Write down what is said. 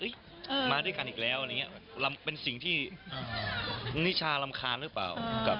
มาด้วยกันอีกแล้วอะไรอย่างนี้เป็นสิ่งที่นิชารำคาญหรือเปล่า